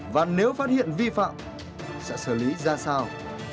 và nếu phát hiện vi phạm sẽ xử lý ra sao